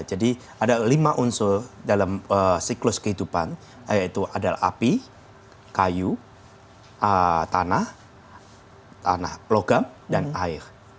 jadi ada lima unsur dalam siklus kehidupan yaitu adalah api kayu tanah logam dan air